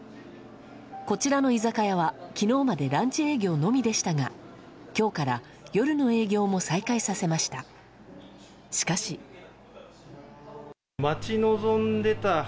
こちらの居酒屋は昨日までランチ営業のみでしたが今日から夜の営業も再開させました。